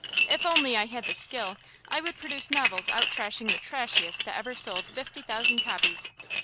If only I had the skill, I would produce novels out trashing the trashiest that ever sold fifty thousand copies.